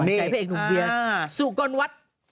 ใจพระเอกหนุ่มเบียร์สุกลวัด